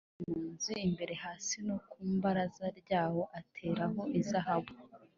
Kandi mu nzu imbere hasi no ku ibaraza ryayo, ateraho izahabu